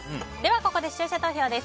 ここで視聴者投票です。